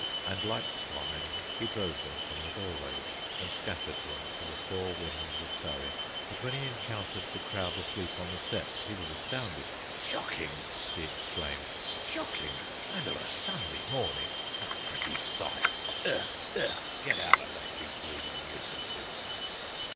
And like swine he drove them from the doorways and scattered them to the four winds of Surrey. But when he encountered the crowd asleep on the steps he was astounded. "Shocking!" he exclaimed. "Shocking! And of a Sunday morning! A pretty sight! Eigh! eigh! Get outa that, you bleeding nuisances!"